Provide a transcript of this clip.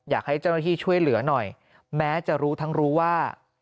อยากให้เจ้าหน้าที่ช่วยเหลือหน่อยแม้จะรู้ทั้งรู้ว่า